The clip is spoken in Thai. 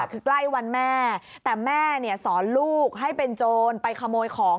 คือใกล้วันแม่แต่แม่เนี่ยสอนลูกให้เป็นโจรไปขโมยของ